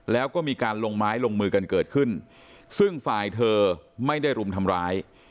แล้วก็มีการลงไม้ลงมือกันเกิดขึ้นซึ่งฝ่ายเธอไม่ได้รุมทำร้าย